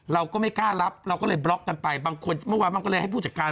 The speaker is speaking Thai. เราก็ไม่กล้ารับเราก็เลยบล็อกกันไปบางคนเมื่อวานมันก็เลยให้ผู้จัดการ